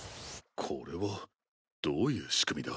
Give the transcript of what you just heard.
これはどういう仕組みだ？